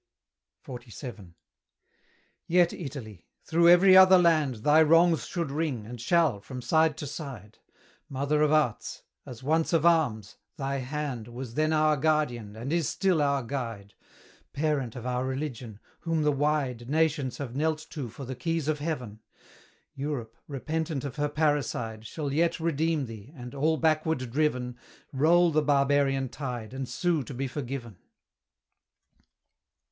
XLVII. Yet, Italy! through every other land Thy wrongs should ring, and shall, from side to side; Mother of Arts! as once of Arms; thy hand Was then our Guardian, and is still our guide; Parent of our religion! whom the wide Nations have knelt to for the keys of heaven! Europe, repentant of her parricide, Shall yet redeem thee, and, all backward driven, Roll the barbarian tide, and sue to be forgiven.